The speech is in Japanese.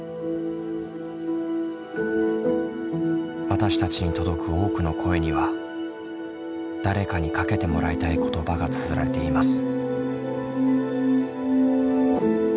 私たちに届く多くの声には誰かにかけてもらいたい言葉がつづられています。